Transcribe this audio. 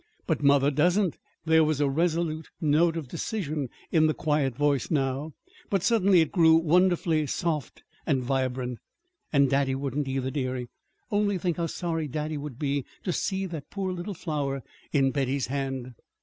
"But mother doesn't." There was a resolute note of decision in the quiet voice now; but suddenly it grew wonderfully soft and vibrant. "And daddy wouldn't, either, dearie. Only think how sorry daddy would be to see that poor little flower in Betty's hand!"